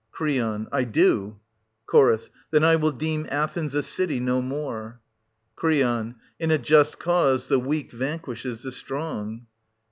Cr. I do. Ch. Then will I deem Athens a city no more. Cr. In a just cause the weak vanquishes the 8S0 strong. Oe.